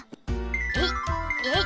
えいえい。